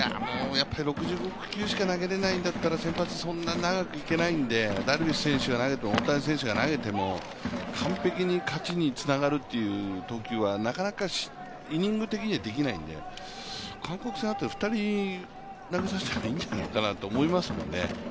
６５球しか投げれないんだったらあんまり先発いけないんでダルビッシュ選手が投げても大谷選手が投げても完璧に勝ちにつながるという投球は、なかなかイニング的にはできないんで、韓国戦、あと２人投げさせたらいいんじゃないかと思いますけどね。